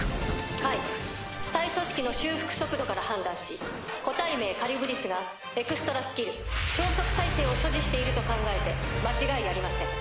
解体組織の修復速度から判断し個体名カリュブディスがエクストラスキル超速再生を所持していると考えて間違いありません。